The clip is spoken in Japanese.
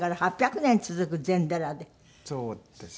そうですね。